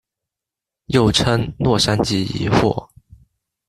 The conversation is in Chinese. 又称洛杉矶疑惑。